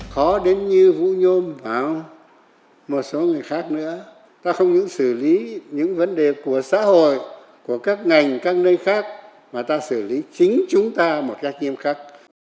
khó đến như vũ nhôm báo một số người khác nữa ta không những xử lý những vấn đề của xã hội của các ngành các nơi khác mà ta xử lý chính chúng ta một cách nghiêm khắc